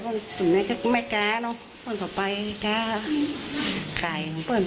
คนอยู่ในนั้นมันไม่งาน